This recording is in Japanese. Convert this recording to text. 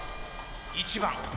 １番。